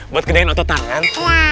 buat kenyain otot tangan